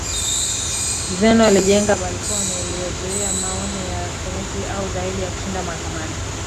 Zeno alijenga balcony iliyozuia maoni ya Anthemius au zaidi ya kushinda mahakamani